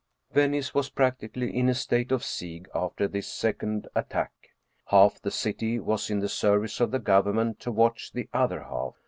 Venice was practically in a state of siege after this second attack. Half the city was in the service of the government to watch the other half.